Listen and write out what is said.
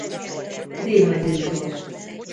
Révay Miklós.